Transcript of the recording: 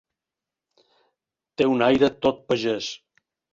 Té un aire tot pagès.